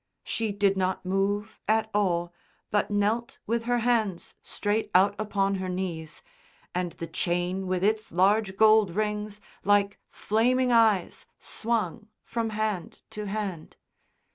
She did not move at all, but knelt with her hands straight out upon her knees, and the chain with its large gold rings like flaming eyes swung from hand to hand.